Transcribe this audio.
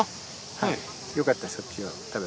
はい。